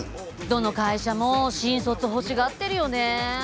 どの会社も新卒ほしがってるよね。